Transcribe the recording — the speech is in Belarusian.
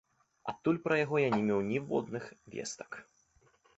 Адтуль пра яго я не меў ніводных вестак.